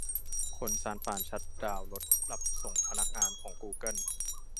คนซานฟรานชัตดาวน์รถรับส่งพนักงานของกูเกิล